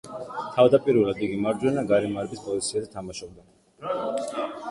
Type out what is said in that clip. თავდაპირველად, იგი მარჯვენა გარემარბის პოზიციაზე თამაშობდა.